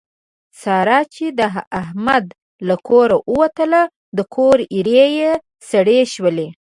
ساره چې د احمد له کوره ووتله د کور ایرې یې سړې شولې.